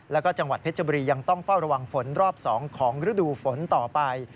แล้วก็จังหวัดเพชรบุรียังต้องเฝ้าระวังฝนรอบ๒ของฤดูฝนต่อไป